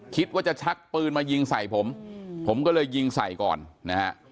คิดว่าจะชักปืนมายิงใส่ผมผมก็เลยยิงใส่ก่อนนะฮะ